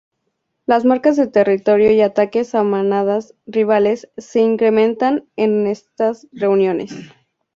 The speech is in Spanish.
Las marcas de territorio y ataques a manadas rivales se incrementan en estas reuniones.